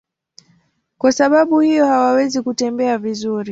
Kwa sababu hiyo hawawezi kutembea vizuri.